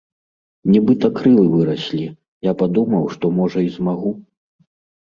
Нібыта крылы выраслі, я падумаў, што можа і змагу!